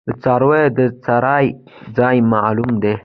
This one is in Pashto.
د څارویو د څرائ ځای معلوم دی؟